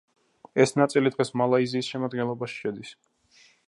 ეს ნაწილი დღეს მალაიზიის შემადგენლობაში შედის.